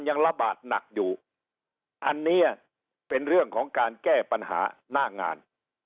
ยังระบาดหนักอยู่อันนี้เป็นเรื่องของการแก้ปัญหาหน้างาน